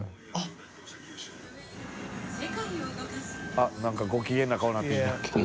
あっ何かご機嫌な顔になってきた。